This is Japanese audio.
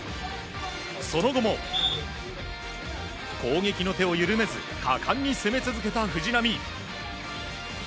その後も、攻撃の手を緩めず果敢に攻め続けた藤波。